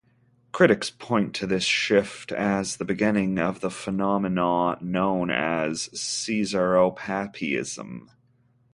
Critics point to this shift as the beginning of the phenomenon known as Caesaropapism.